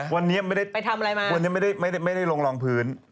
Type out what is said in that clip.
วันนี้ไม่ได้ลงรองพื้น